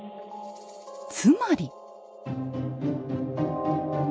つまり。